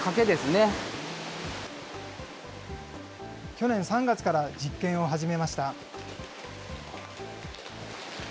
去年３月から実験を始めました。